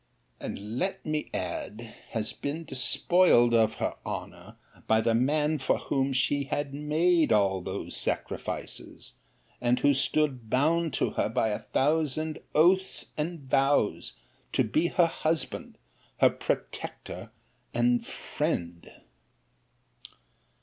And, let me add, has been despoiled of her honour by the man for whom she had made all these sacrifices; and who stood bound to her by a thousand oaths and vows, to be her husband, her protector, and friend!